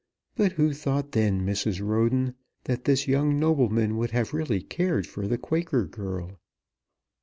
But who thought then, Mrs. Roden, that this young nobleman would have really cared for the Quaker girl?"